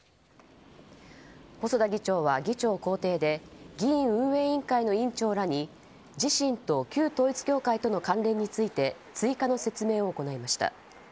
細田議長は議長公邸で議院運営委員会の委員長らに自身と旧統一教会との関連について追加の説明を行いました。